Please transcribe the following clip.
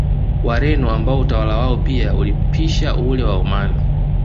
Wareno ambao utawala wao pia ulipisha ule wa Omani